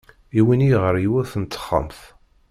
Iwin-iyi ɣer yiwet n texxamt.